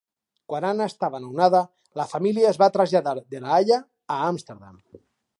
Quan Anna estava nounada la família es va traslladar de La Haia a Amsterdam.